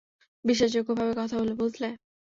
বিশ্বাসযোগ্য ভাবে কথা বলবে, বুঝলে।